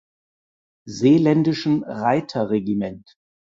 Seeländischen Reiterregiment.